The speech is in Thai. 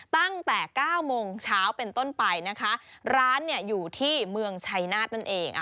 ตั้งแต่เก้าโมงเช้าเป็นต้นไปนะคะร้านเนี่ยอยู่ที่เมืองชัยนาธนั่นเอง